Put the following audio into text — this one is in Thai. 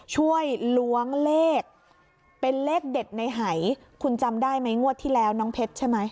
ล้วงเลขเป็นเลขเด็ดในหายคุณจำได้ไหมงวดที่แล้วน้องเพชรใช่ไหม